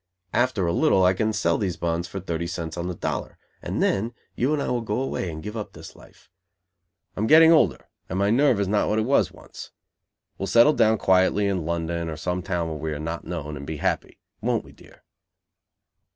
After a little I can sell these bonds for thirty cents on the dollar and then you and I will go away and give up this life. I am getting older and my nerve is not what it was once. We'll settle down quietly in London or some town where we are not known, and be happy. Won't we, dear?"